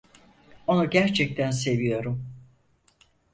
Onu gerçekten seviyorum.